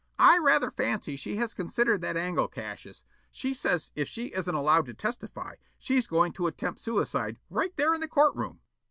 "I rather fancy she has considered that angle, Cassius. She says if she isn't allowed to testify, she's going to attempt suicide right there in the court room."